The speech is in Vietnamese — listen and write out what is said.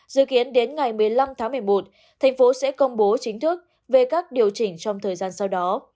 dự kiến đến ngày một mươi năm tháng một mươi một thành phố sẽ công bố chính thức về các điều chỉnh trong thời gian sau đó